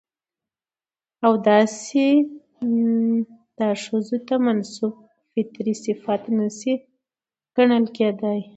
او داسې دا ښځو ته منسوب فطري صفت نه شى ګڼل کېداى.